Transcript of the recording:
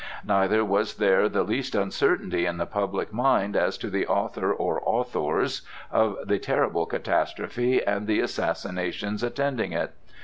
Neither was there the least uncertainty in the public mind as to the author or authors of the terrible catastrophe and the assassinations attending it.